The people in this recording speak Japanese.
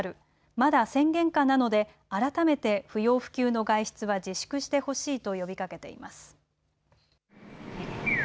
まだ宣言下なので改めて不要不急の外出は自粛してほしいと呼びかけています。